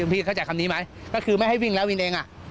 พี่เข้าใจคำนี้ไหมก็คือไม่ให้วิ่งแล้ววินเอง